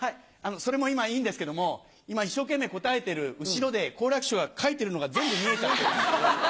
それも今いいんですけども今一生懸命答えてる後ろで好楽師匠が書いてるのが全部見えちゃってる。